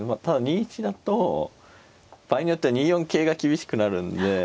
ただ２一だと場合によっては２四桂が厳しくなるんで。